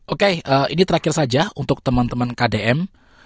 oke ini terakhir saja untuk teman teman kdm